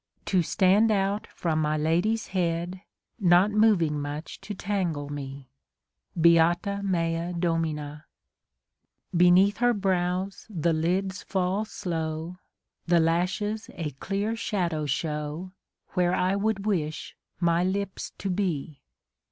To stand out from my lady's head, Not moving much to tangle me. Beata mea Domina ! Beneath her brows the lids fall slow. The lashes a clear shadow show Where I would wish my lips to be.